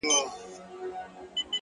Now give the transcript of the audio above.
هوښیار انتخاب د وخت درناوی دی.!